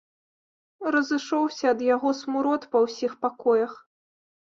Разышоўся ад яго смурод па ўсіх пакоях.